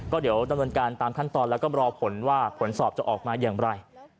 ก็เดี๋ยวดำเนินการตามขั้นตอนแล้วก็รอผลว่าผลสอบจะออกมาอย่างไร